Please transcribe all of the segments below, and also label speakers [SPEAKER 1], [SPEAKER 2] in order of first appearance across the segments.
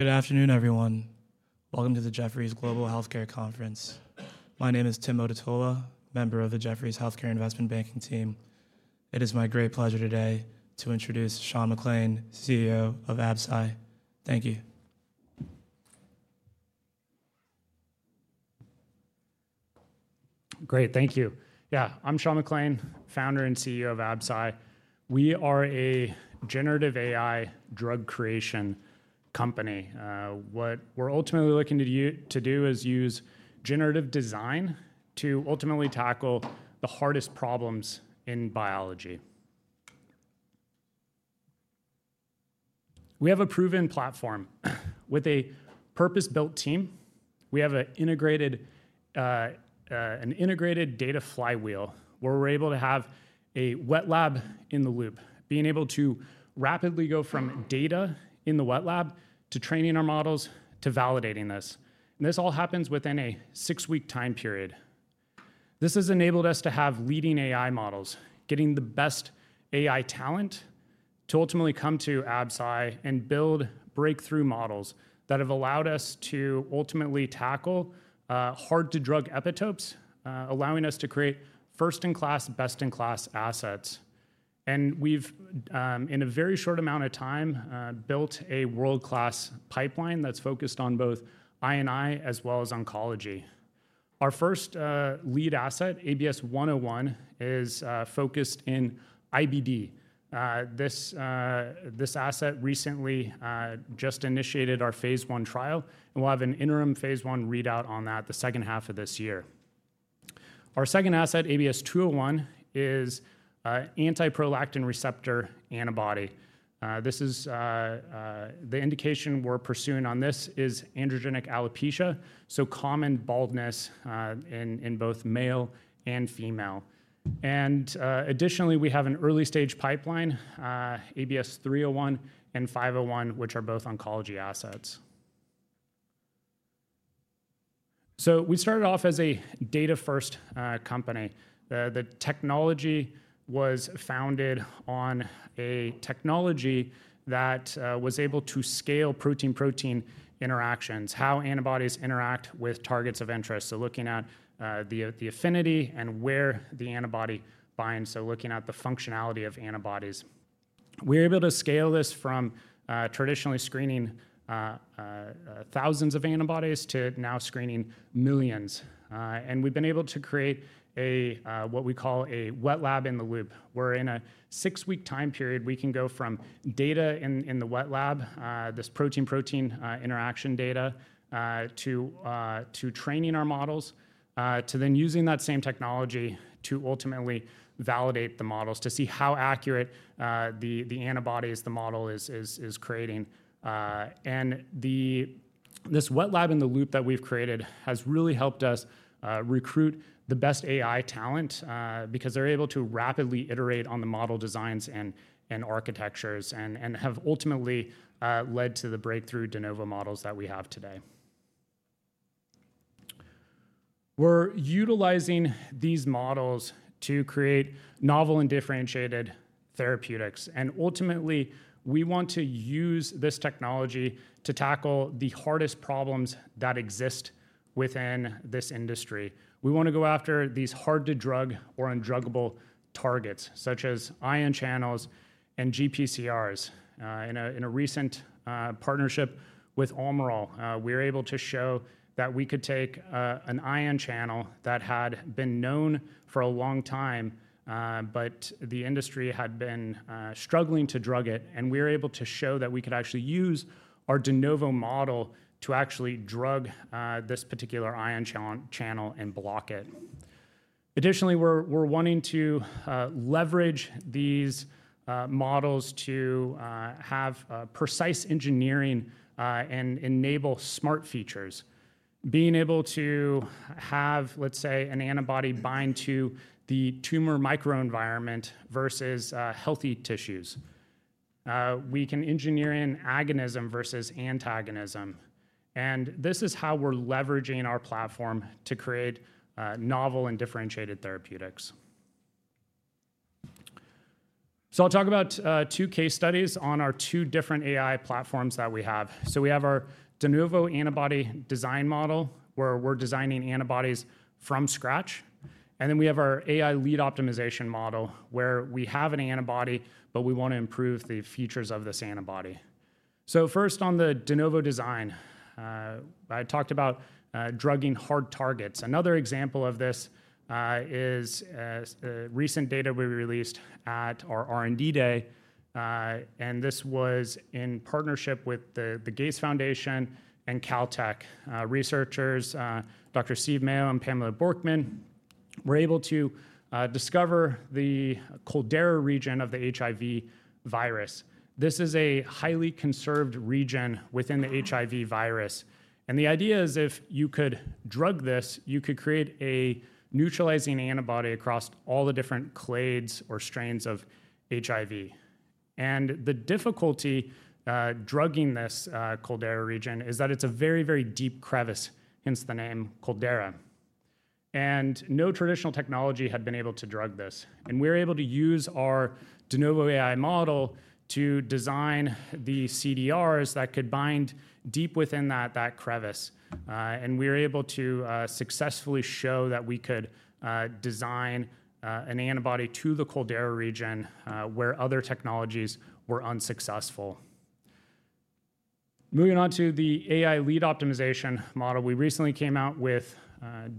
[SPEAKER 1] Good afternoon, everyone. Welcome to the Jefferies Global Healthcare Conference. My name is Tim Odutola, member of the Jefferies Healthcare Investment Banking team. It is my great pleasure today to introduce Sean McClain, CEO of Absci. Thank you.
[SPEAKER 2] Great, thank you. Yeah, I'm Sean McClain, founder and CEO of Absci. We are a generative AI drug creation company. What we're ultimately looking to do is use generative design to ultimately tackle the hardest problems in biology. We have a proven platform with a purpose-built team. We have an integrated data flywheel where we're able to have a wet lab in the loop, being able to rapidly go from data in the wet lab to training our models to validating this. This all happens within a six-week time period. This has enabled us to have leading AI models, getting the best AI talent to ultimately come to Absci and build breakthrough models that have allowed us to ultimately tackle hard-to-drug epitopes, allowing us to create first-in-class, best-in-class assets. We have, in a very short amount of time, built a world-class pipeline that's focused on both I and I, as well as oncology. Our first lead asset, ABS 101, is focused in IBD. This asset recently just initiated our phase I trial, and we'll have an interim phase I readout on that the second half of this year. Our second asset, ABS 201, is anti-prolactin receptor antibody. The indication we're pursuing on this is androgenic alopecia, so common baldness in both male and female. Additionally, we have an early-stage pipeline, ABS 301 and ABS 501, which are both oncology assets. We started off as a data-first company. The technology was founded on a technology that was able to scale protein-protein interactions, how antibodies interact with targets of interest. Looking at the affinity and where the antibody binds, looking at the functionality of antibodies. We were able to scale this from traditionally screening thousands of antibodies to now screening millions. We have been able to create what we call a wet lab in the loop, where in a six-week time period, we can go from data in the wet lab, this protein-protein interaction data, to training our models, to then using that same technology to ultimately validate the models to see how accurate the antibodies the model is creating. This wet lab in the loop that we have created has really helped us recruit the best AI talent because they are able to rapidly iterate on the model designs and architectures and have ultimately led to the breakthrough de novo models that we have today. We are utilizing these models to create novel and differentiated therapeutics. Ultimately, we want to use this technology to tackle the hardest problems that exist within this industry. We want to go after these hard-to-drug or undruggable targets, such as ion channels and GPCRs. In a recent partnership with Astellas, we were able to show that we could take an ion channel that had been known for a long time, but the industry had been struggling to drug it. We were able to show that we could actually use our de novo model to actually drug this particular ion channel and block it. Additionally, we're wanting to leverage these models to have precise engineering and enable smart features, being able to have, let's say, an antibody bind to the tumor microenvironment versus healthy tissues. We can engineer in agonism versus antagonism. This is how we're leveraging our platform to create novel and differentiated therapeutics. I'll talk about two case studies on our two different AI platforms that we have. We have our de novo antibody design model, where we're designing antibodies from scratch. And then we have our AI lead optimization model, where we have an antibody, but we want to improve the features of this antibody. First, on the de novo design, I talked about drugging hard targets. Another example of this is recent data we released at our R&D day. This was in partnership with the Gates Foundation and Caltech. Researchers, Dr. Steve Mayo and Pamela Bjorkman, were able to discover the Coldera region of the HIV virus. This is a highly conserved region within the HIV virus. The idea is if you could drug this, you could create a neutralizing antibody across all the different clades or strains of HIV. The difficulty drugging this Coldera region is that it's a very, very deep crevice, hence the name Coldera. No traditional technology had been able to drug this. We were able to use our de novo AI model to design the CDRs that could bind deep within that crevice. We were able to successfully show that we could design an antibody to the Coldera region where other technologies were unsuccessful. Moving on to the AI lead optimization model, we recently came out with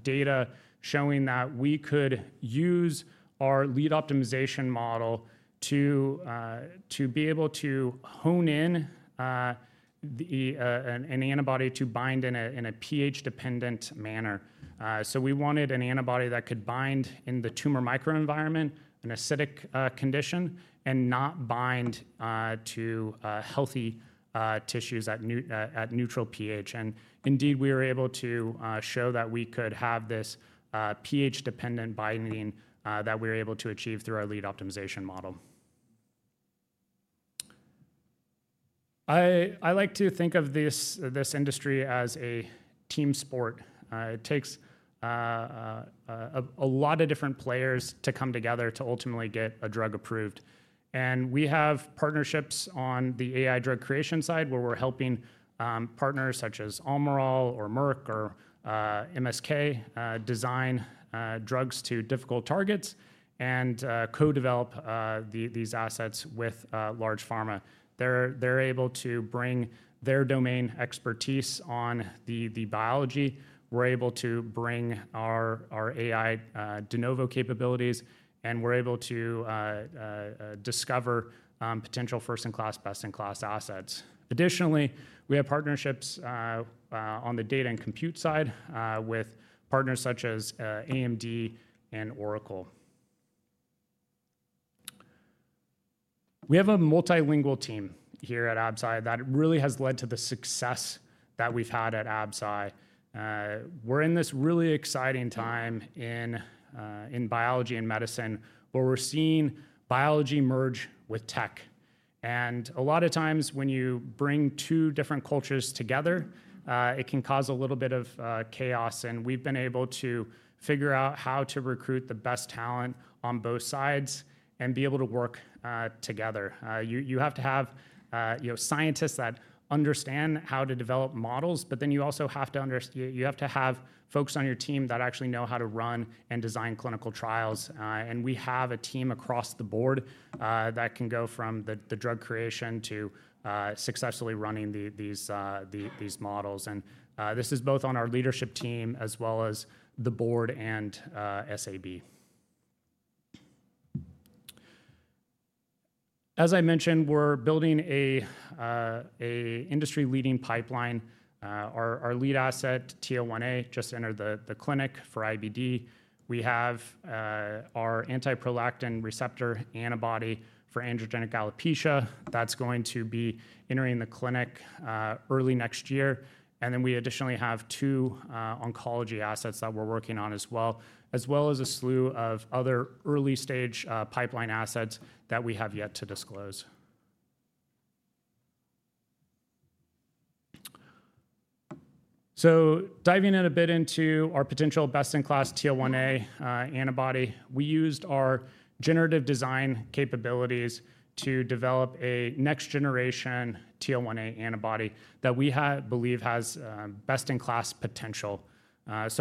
[SPEAKER 2] data showing that we could use our lead optimization model to be able to hone in an antibody to bind in a pH-dependent manner. We wanted an antibody that could bind in the tumor microenvironment, an acidic condition, and not bind to healthy tissues at neutral pH. Indeed, we were able to show that we could have this pH-dependent binding that we were able to achieve through our lead optimization model. I like to think of this industry as a team sport. It takes a lot of different players to come together to ultimately get a drug approved. We have partnerships on the AI drug creation side, where we're helping partners such as Almirall, Merck, or MSK design drugs to difficult targets and co-develop these assets with large pharma. They're able to bring their domain expertise on the biology. We're able to bring our AI de novo capabilities, and we're able to discover potential first-in-class, best-in-class assets. Additionally, we have partnerships on the data and compute side with partners such as AMD and Oracle. We have a multilingual team here at Absci that really has led to the success that we've had at Absci. We're in this really exciting time in biology and medicine, where we're seeing biology merge with tech. A lot of times, when you bring two different cultures together, it can cause a little bit of chaos. We have been able to figure out how to recruit the best talent on both sides and be able to work together. You have to have scientists that understand how to develop models, but then you also have to have folks on your team that actually know how to run and design clinical trials. We have a team across the board that can go from the drug creation to successfully running these models. This is both on our leadership team as well as the board and SAB. As I mentioned, we are building an industry-leading pipeline. Our lead asset, TL1A, just entered the clinic for IBD. We have our anti-prolactin receptor antibody for androgenic alopecia that is going to be entering the clinic early next year. We additionally have two oncology assets that we're working on as well, as well as a slew of other early-stage pipeline assets that we have yet to disclose. Diving in a bit into our potential best-in-class TL1A antibody, we used our generative design capabilities to develop a next-generation TL1A antibody that we believe has best-in-class potential.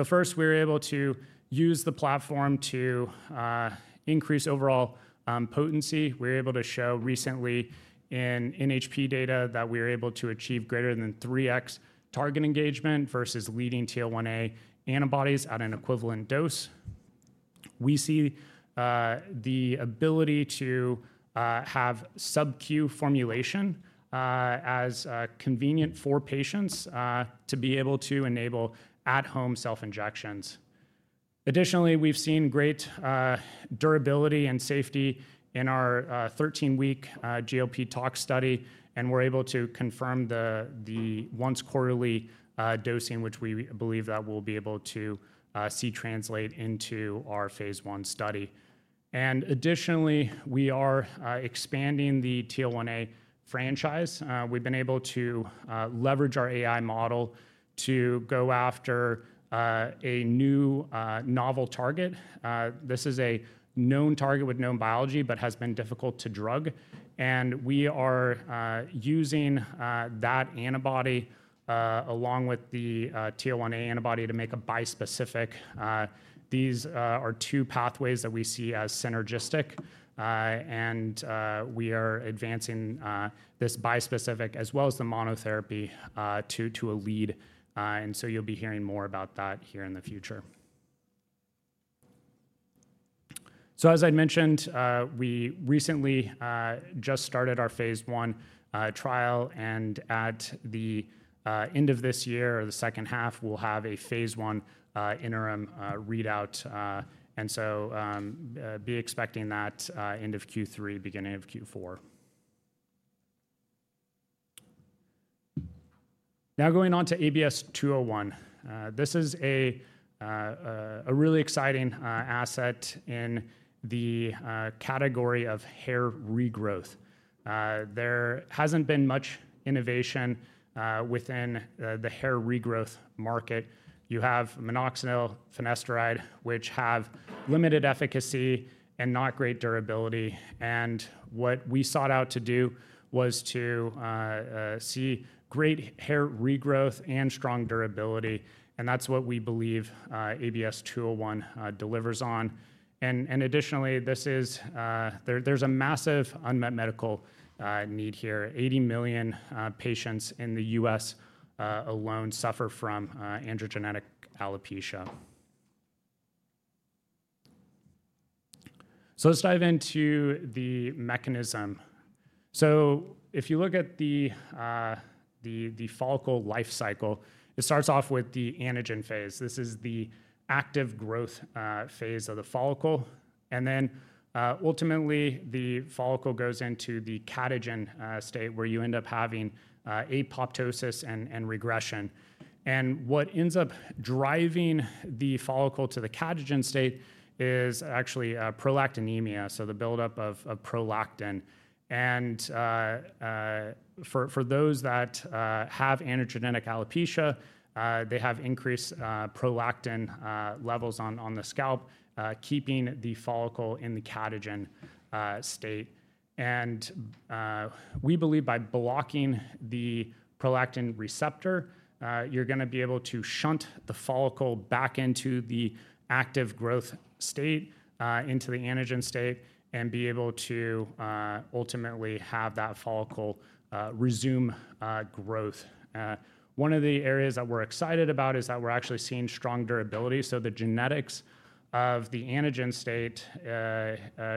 [SPEAKER 2] First, we were able to use the platform to increase overall potency. We were able to show recently in NHP data that we were able to achieve greater than 3x target engagement versus leading TL1A antibodies at an equivalent dose. We see the ability to have sub-Q formulation as convenient for patients to be able to enable at-home self-injections. Additionally, we've seen great durability and safety in our 13-week GOP talk study, and we're able to confirm the once-quarterly dosing, which we believe that we'll be able to see translate into our phase I study. Additionally, we are expanding the TL1A franchise. We've been able to leverage our AI model to go after a new novel target. This is a known target with known biology, but has been difficult to drug. We are using that antibody along with the TL1A antibody to make a bispecific. These are two pathways that we see as synergistic. We are advancing this bispecific as well as the monotherapy to a lead. You'll be hearing more about that here in the future. As I mentioned, we recently just started our phase I trial. At the end of this year or the 2nd half, we'll have a phase I interim readout. Be expecting that end of Q3, beginning of Q4. Now going on to ABS 201. This is a really exciting asset in the category of hair regrowth. There hasn't been much innovation within the hair regrowth market. You have minoxidil, finasteride, which have limited efficacy and not great durability. What we sought out to do was to see great hair regrowth and strong durability. That's what we believe ABS 201 delivers on. Additionally, there's a massive unmet medical need here. 80 million patients in the US alone suffer from androgenic alopecia. Let's dive into the mechanism. If you look at the follicle life cycle, it starts off with the anagen phase. This is the active growth phase of the follicle. Ultimately, the follicle goes into the catagen state, where you end up having apoptosis and regression. What ends up driving the follicle to the catagen state is actually prolactinemia, so the buildup of prolactin. For those that have androgenic alopecia, they have increased prolactin levels on the scalp, keeping the follicle in the catagen state. We believe by blocking the prolactin receptor, you're going to be able to shunt the follicle back into the active growth state, into the anagen state, and be able to ultimately have that follicle resume growth. One of the areas that we're excited about is that we're actually seeing strong durability. The genetics of the anagen state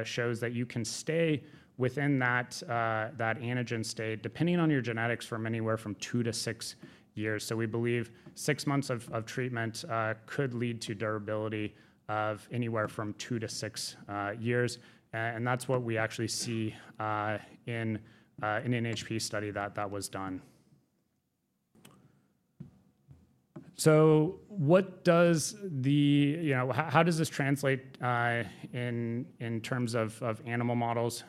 [SPEAKER 2] shows that you can stay within that anagen state, depending on your genetics, from anywhere from 2-6 years. We believe six months of treatment could lead to durability of anywhere from 2-6 years. That is what we actually see in an NHP study that was done. How does this translate in terms of animal models?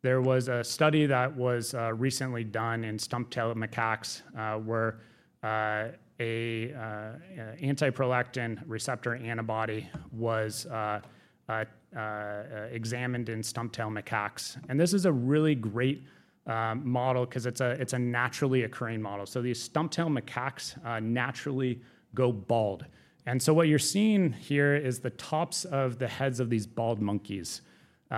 [SPEAKER 2] There was a study that was recently done in stumptail macaques, where an anti-prolactin receptor antibody was examined in stumptail macaques. This is a really great model because it is a naturally occurring model. These stumptail macaques naturally go bald. What you are seeing here is the tops of the heads of these bald monkeys. You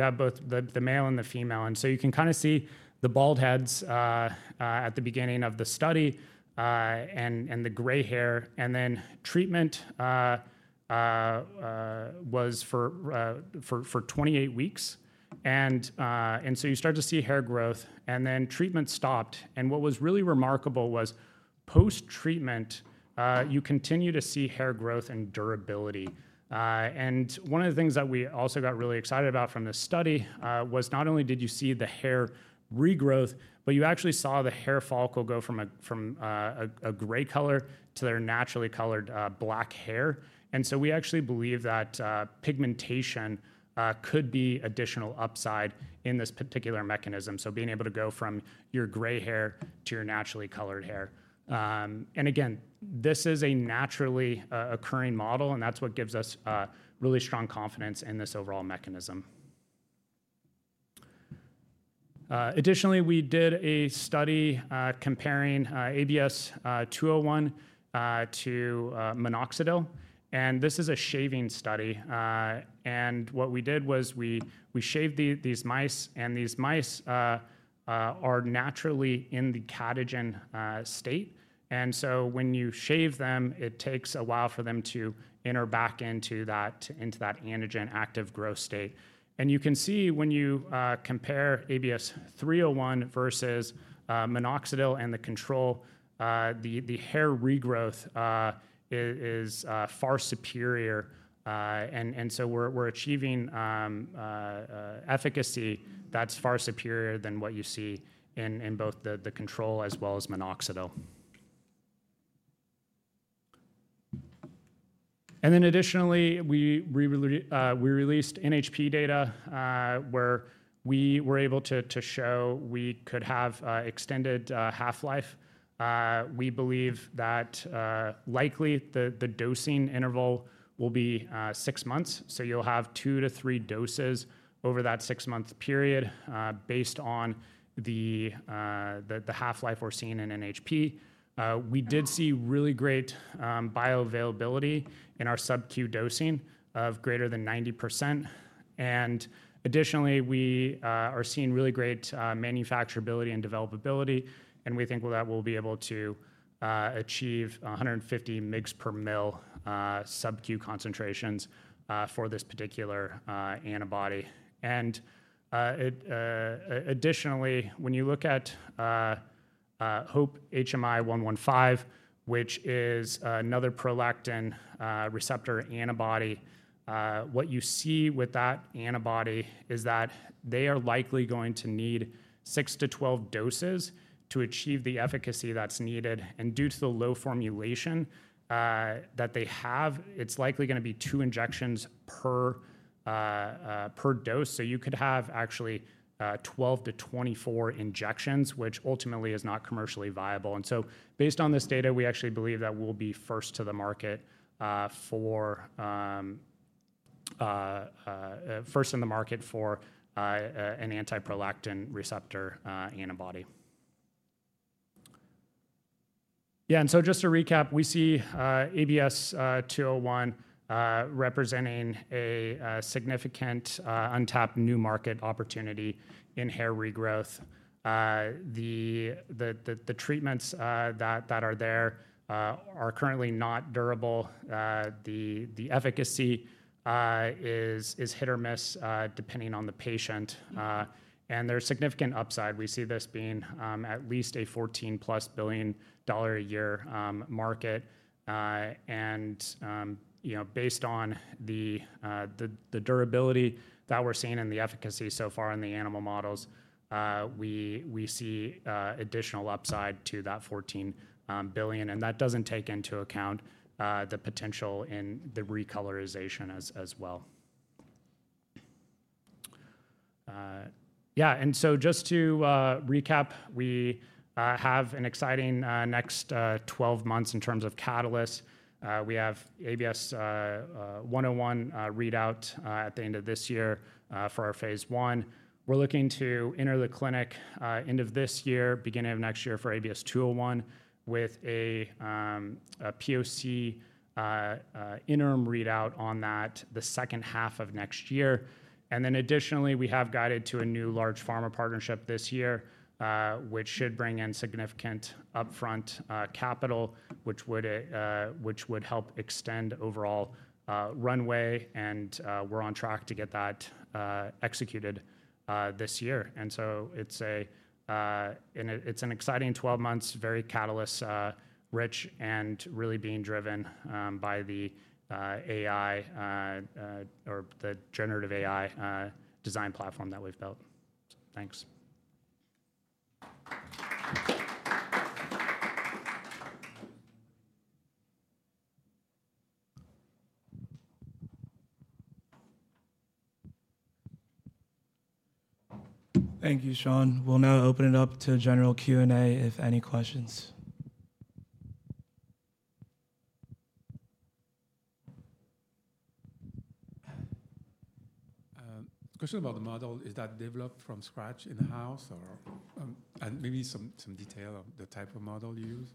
[SPEAKER 2] have both the male and the female. You can kind of see the bald heads at the beginning of the study and the gray hair. Treatment was for 28 weeks. You start to see hair growth. Then treatment stopped. What was really remarkable was post-treatment, you continue to see hair growth and durability. One of the things that we also got really excited about from this study was not only did you see the hair regrowth, but you actually saw the hair follicle go from a gray color to their naturally colored black hair. We actually believe that pigmentation could be additional upside in this particular mechanism, being able to go from your gray hair to your naturally colored hair. This is a naturally occurring model. That is what gives us really strong confidence in this overall mechanism. Additionally, we did a study comparing ABS 201 to minoxidil. This is a shaving study. What we did was we shaved these mice. These mice are naturally in the catagen state. When you shave them, it takes a while for them to enter back into that anagen active growth state. You can see when you compare ABS 301 versus minoxidil and the control, the hair regrowth is far superior. We're achieving efficacy that's far superior than what you see in both the control as well as minoxidil. Additionally, we released NHP data, where we were able to show we could have extended half-life. We believe that likely the dosing interval will be six months. You'll have two to three doses over that six-month period based on the half-life we're seeing in NHP. We did see really great bioavailability in our sub-Q dosing of greater than 90%. Additionally, we are seeing really great manufacturability and developability. We think that we'll be able to achieve 150 mg/mL sub-Q concentrations for this particular antibody. Additionally, when you look at Hope HMI-115, which is another prolactin receptor antibody, what you see with that antibody is that they are likely going to need 6-12 doses to achieve the efficacy that's needed. Due to the low formulation that they have, it's likely going to be two injections per dose. You could have actually 12-24 injections, which ultimately is not commercially viable. Based on this data, we actually believe that we'll be first to the market for an anti-prolactin receptor antibody. Yeah. Just to recap, we see ABS 201 representing a significant untapped new market opportunity in hair regrowth. The treatments that are there are currently not durable. The efficacy is hit or miss depending on the patient. There's significant upside. We see this being at least a $14 billion-plus a year market. Based on the durability that we're seeing and the efficacy so far in the animal models, we see additional upside to that $14 billion. That does not take into account the potential in the recolorization as well. Yeah. Just to recap, we have an exciting next 12 months in terms of catalysts. We have ABS 101 readout at the end of this year for our phase I. We're looking to enter the clinic end of this year, beginning of next year for ABS 201, with a POC interim readout on that the 2nd half of next year. Additionally, we have guided to a new large pharma partnership this year, which should bring in significant upfront capital, which would help extend overall runway. We're on track to get that executed this year. It is an exciting 12 months, very catalyst-rich, and really being driven by the AI or the generative AI design platform that we have built. Thanks.
[SPEAKER 1] Thank you, Sean. We'll now open it up to general Q&A if any questions. Question about the model. Is that developed from scratch in-house? Maybe some detail of the type of model you use?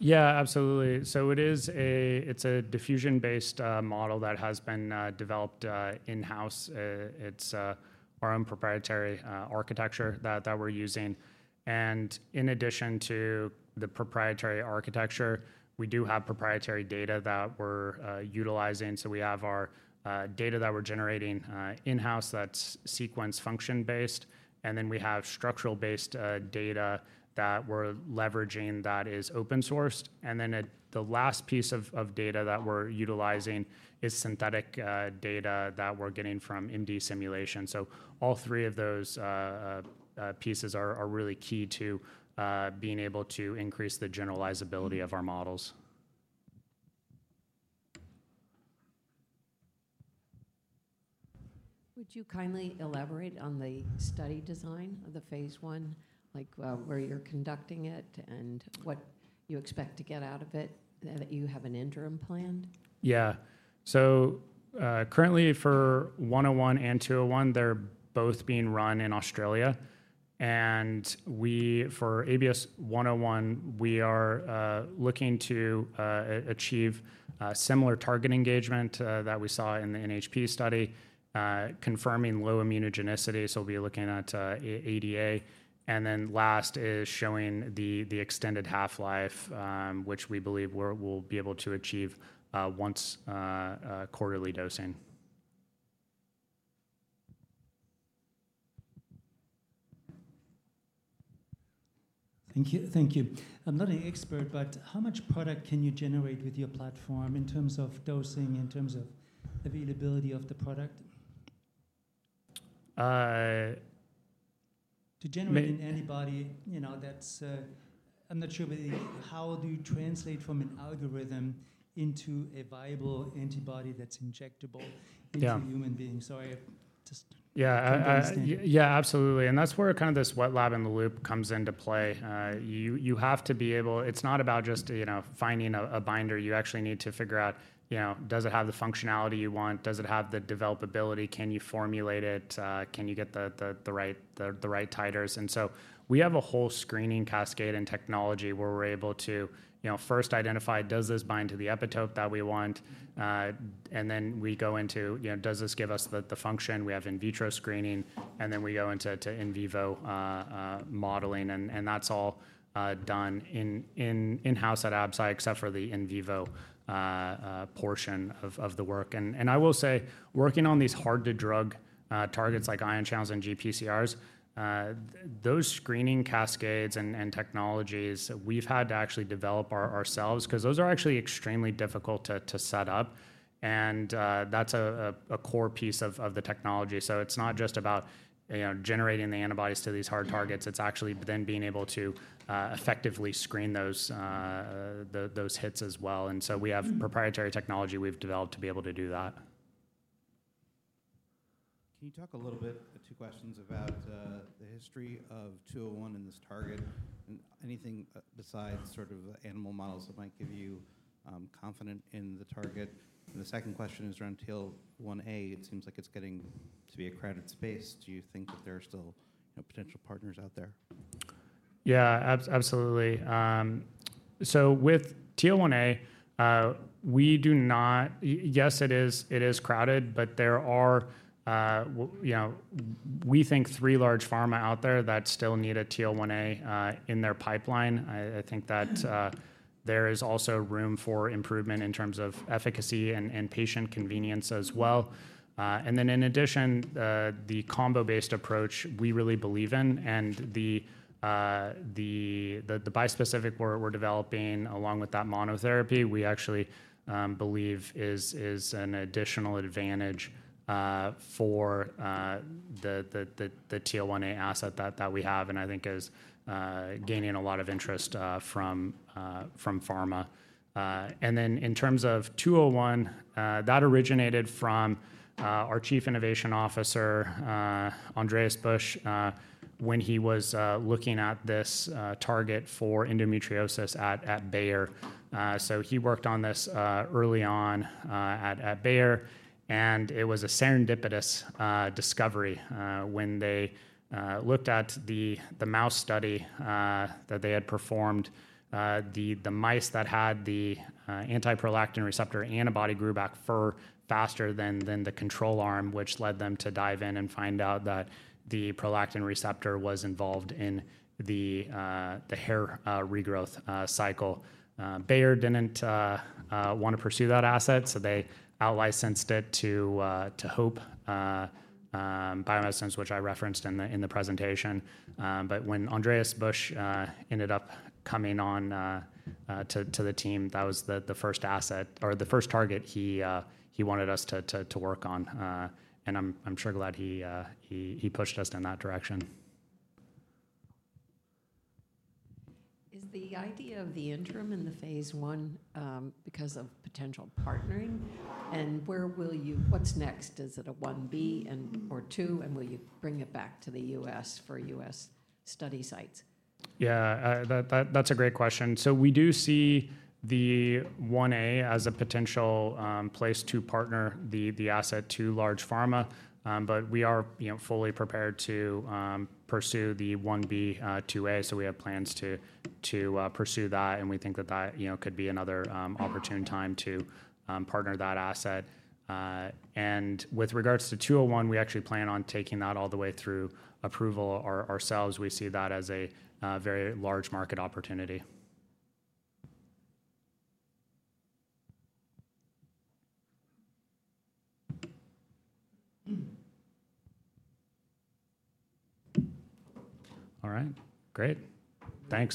[SPEAKER 2] Yeah, absolutely. It is a diffusion-based model that has been developed in-house. It is our own proprietary architecture that we are using. In addition to the proprietary architecture, we do have proprietary data that we are utilizing. We have our data that we are generating in-house that is sequence function-based. We have structural-based data that we are leveraging that is open sourced. The last piece of data that we are utilizing is synthetic data that we are getting from MD simulation. All three of those pieces are really key to being able to increase the generalizability of our models. Would you kindly elaborate on the study design of the phase I, like where you're conducting it and what you expect to get out of it, that you have an interim plan? Yeah. Currently for 101 and 201, they're both being run in Australia. For ABS 101, we are looking to achieve similar target engagement that we saw in the NHP study, confirming low immunogenicity. We'll be looking at ADA. Last is showing the extended half-life, which we believe we'll be able to achieve once quarterly dosing. Thank you. I'm not an expert, but how much product can you generate with your platform in terms of dosing, in terms of availability of the product? To generate an antibody, I'm not sure how do you translate from an algorithm into a viable antibody that's injectable into human beings. Sorry. Yeah. Yeah, absolutely. That is where kind of this wet lab in the loop comes into play. You have to be able—it's not about just finding a binder. You actually need to figure out, does it have the functionality you want? Does it have the developability? Can you formulate it? Can you get the right titers? We have a whole screening cascade and technology where we're able to first identify, does this bind to the epitope that we want? Then we go into, does this give us the function? We have in vitro screening. Then we go into in vivo modeling. That is all done in-house at Absci, except for the in vivo portion of the work. I will say, working on these hard-to-drug targets like ion channels and GPCRs, those screening cascades and technologies we've had to actually develop ourselves because those are actually extremely difficult to set up. That is a core piece of the technology. It is not just about generating the antibodies to these hard targets. It is actually then being able to effectively screen those hits as well. We have proprietary technology we've developed to be able to do that. Can you talk a little bit, the two questions, about the history of 201 and this target? And anything besides sort of animal models that might give you confidence in the target? The second question is around TL1A. It seems like it's getting to be a crowded space. Do you think that there are still potential partners out there? Yeah, absolutely. With TL1A, we do not—yes, it is crowded, but we think three large pharma out there still need a TL1A in their pipeline. I think that there is also room for improvement in terms of efficacy and patient convenience as well. In addition, the combo-based approach we really believe in. The bispecific we are developing along with that monotherapy, we actually believe is an additional advantage for the TL1A asset that we have, and I think is gaining a lot of interest from pharma. In terms of 201, that originated from our Chief Innovation Officer, Andreas Busch, when he was looking at this target for endometriosis at Bayer. He worked on this early on at Bayer, and it was a serendipitous discovery. When they looked at the mouse study that they had performed, the mice that had the anti-prolactin receptor antibody grew back fur faster than the control arm, which led them to dive in and find out that the prolactin receptor was involved in the hair regrowth cycle. Bayer did not want to pursue that asset, so they out-licensed it to Hope Medicine, which I referenced in the presentation. When Andreas Busch ended up coming on to the team, that was the first asset or the first target he wanted us to work on. I'm sure glad he pushed us in that direction. Is the idea of the interim in the phase I because of potential partnering? What's next? Is it a 1B or 2? Will you bring it back to the U.S. for U.S. study sites? Yeah, that's a great question. We do see the 1A as a potential place to partner the asset to large pharma. We are fully prepared to pursue the 1B 2A. We have plans to pursue that. We think that that could be another opportune time to partner that asset. With regards to 201, we actually plan on taking that all the way through approval ourselves. We see that as a very large market opportunity. All right. Great. Thanks.